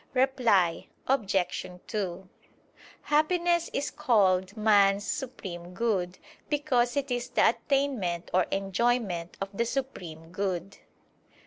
Reply Obj. 2: Happiness is called man's supreme good, because it is the attainment or enjoyment of the supreme good.